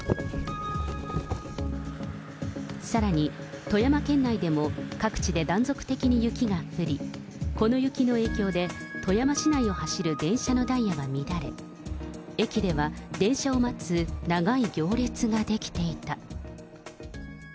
さらに、富山県内でも各地で断続的に雪が降り、この雪の影響で富山市内を走る電車のダイヤが乱れ、駅では電車を待つ長い行列が出来ていた。